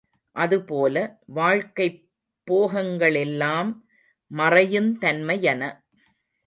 அது போல, வாழ்க்கைப் போகங்களெல்லாம் மறையுந் தன்மையன.